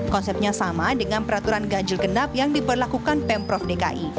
konsepnya sama dengan peraturan ganjil genap yang diperlakukan pemprov dki